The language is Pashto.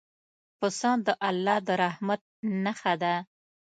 پسه د الله د رحمت نښه ده.